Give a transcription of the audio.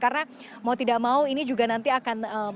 karena mau tidak mau ini juga nanti akan